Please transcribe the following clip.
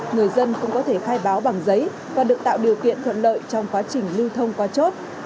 người dân cũng có thể khai báo bằng giấy và được tạo điều kiện thuận lợi trong quá trình lưu thông qua chốt